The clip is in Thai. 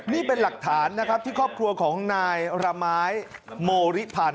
นี่เป็นหลักฐานนะครับที่ครอบครัวของนายระไม้โมริพันธ